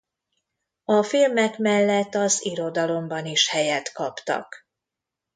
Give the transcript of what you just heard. A filmek mellett az irodalomban is helyet kaptak.